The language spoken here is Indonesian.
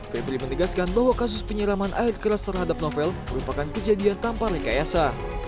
febri menegaskan bahwa kasus penyiraman air keras terhadap novel merupakan kejadian tanpa rekayasa